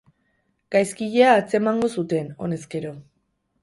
Gaizkilea atzemango zuten, honezkero.